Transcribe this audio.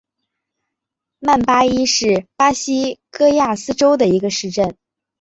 曼巴伊是巴西戈亚斯州的一个市镇。